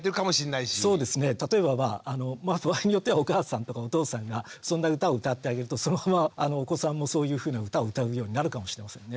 そうですね例えば場合によってはお母さんとかお父さんがそんな歌を歌ってあげるとそのままお子さんもそういうふうな歌を歌うようになるかもしれませんね。